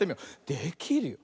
できるよ。